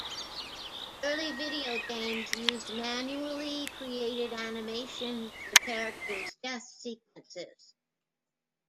Early video games used manually created animations for characters' death sequences.